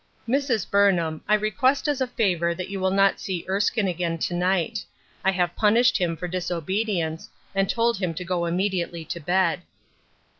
" Mrs. Burnham, I request as a favor that you I4O " THE DEED FOR THE WILL. will not see Erskine again to night ; I have pun ished him for disobedience, and told him to go immediately to bed."